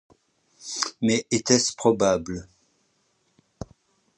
Mais était-ce probable?